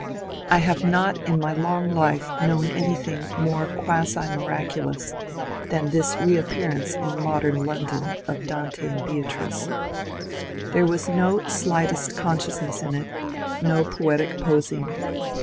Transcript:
I have not VOL. n 130 MONCURE DANIEL CONWAY in my long life known anything more quasi miraculoos than this reappearance in modem London of Dante and Beatrice. There was no slightest consciousness in it, no poetic posing.